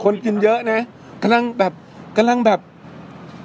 กำลังดีใจมากเลยแล้วกำลังดีใจมากเลยแล้วกำลังดีใจมากเลยแล้ว